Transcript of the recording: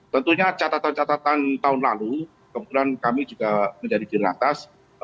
tentunya catatan catatan tahun lalu kebetulan kami juga menjadi di lantas